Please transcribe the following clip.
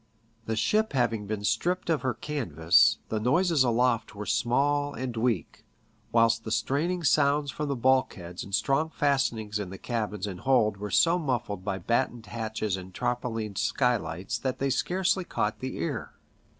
The ship having been stripped of her canvas, the noises aloft were small and weak, whilst the straining sounds from bulkheads and strong fastenings in the cabins and hold were so muJB3ed by battened hatches and tarpaulined skylights that they scarcely caught the ear.